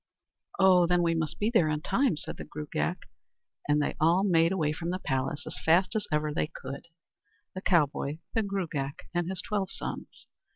"Oh! then we must be there in time," said the Gruagach; and they all made away from the place as fast as ever they could, the cowboy, the Gruagach, and his twelve sons.